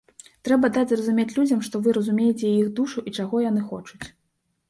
Трэба даць зразумець людзям, што вы разумееце і іх душу, і чаго яны хочуць.